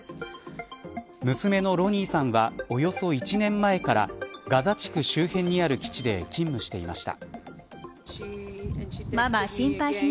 娘のロニーさんはおよそ１年前からガザ地区周辺にある基地で勤務していました。